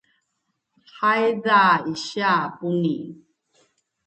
haiza isia Puni